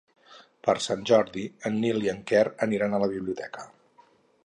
Per Sant Jordi en Nil i en Quer aniran a la biblioteca.